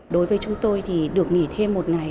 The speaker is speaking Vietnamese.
đối với chúng tôi thì được nghỉ thêm một ngày